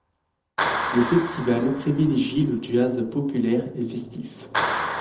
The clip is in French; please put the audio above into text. Le festival privilégie le jazz populaire et festif.